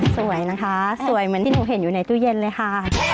สวยนะคะสวยเหมือนที่หนูเห็นอยู่ในตู้เย็นเลยค่ะ